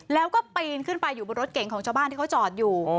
แล้วก็ปีนขึ้นไปอยู่บนรถเก่งของชาวบ้านที่เขาจอดอยู่